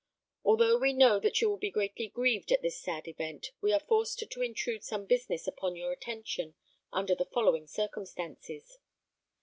Although we know that you will be greatly grieved at this sad event, we are forced to intrude some business upon your attention under the following circumstances.